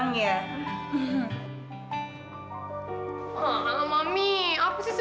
nolong wajah lu